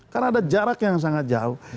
karena ada jarak yang sangat jauh